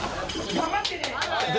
頑張ってね。